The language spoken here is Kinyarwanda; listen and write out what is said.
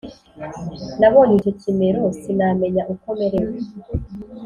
Nabonye icyo kimero sinamenya uko merewe